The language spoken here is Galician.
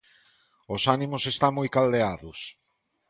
Os ánimos están moi caldeados.